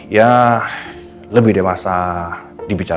ya lebih dewasa dimabikin